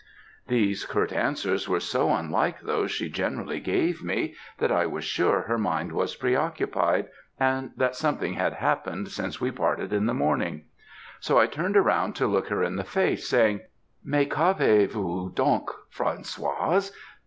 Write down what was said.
"These curt answers were so unlike those she generally gave me, that I was sure her mind was pre occupied, and that something had happened since we parted in the morning; so I turned round to look her in the face, saying '_Mais, qu'avez vous donc, Françoise?